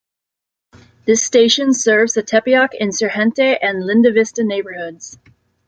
This station serves the Tepeyac Insurgentes and Lindavista neighbourhoods.